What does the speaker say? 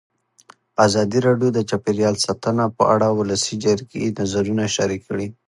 ازادي راډیو د چاپیریال ساتنه په اړه د ولسي جرګې نظرونه شریک کړي.